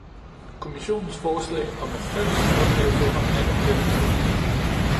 Kommissionens forslag om en fælles måldato har netop dette mål.